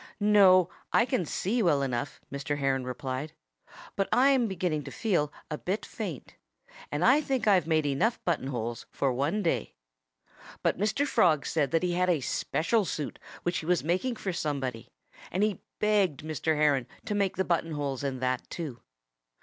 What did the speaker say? "No I can see well enough," Mr. Heron replied. "But I'm beginning to feel a bit faint. And I think I've made enough button holes for one day." But Mr. Frog said that he had a special suit which he was making for somebody. And he begged Mr. Heron to make the button holes in that too.